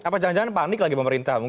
apa jangan jangan panik lagi pemerintah